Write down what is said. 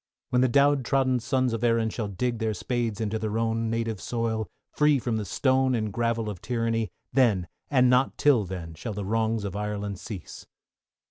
When the down trodden sons of Erin shall dig their spades into their own native soil, free from the stone and gravel of tyranny, then, and not till then, shall the wrongs of Ireland cease.